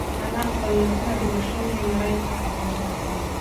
انا خپل لاسونه د ماشوم له مرۍ څخه پورته کړل.